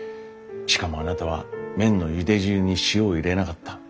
しかもあなたは麺のゆで汁に塩を入れなかった。